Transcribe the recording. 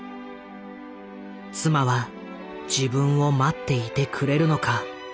妻は自分を待っていてくれるのか。